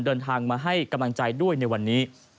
เดินทางมาให้กำลังใจด้วยในวันนี้